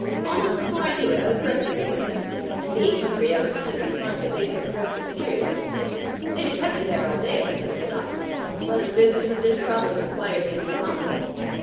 Almost before I knew it I was breakfasting with them, and being hungry I was pleased to find that they took breakfast seriously. They'd have kept me there all day if I could have stopped, but the business of this problem required me to move on.